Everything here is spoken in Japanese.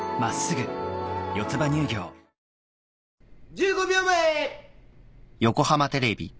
１０秒前。